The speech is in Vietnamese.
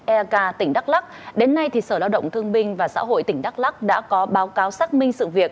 ek tỉnh đắk lắc đến nay thì sở lao động thương minh và xã hội tỉnh đắk lắc đã có báo cáo xác minh sự